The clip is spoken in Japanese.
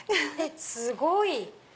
すごい！